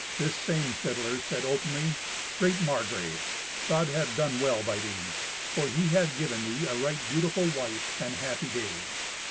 This same fiddler said openly, "Great Margrave, God hath done well by thee, for He hath given thee a right beautiful wife, and happy days.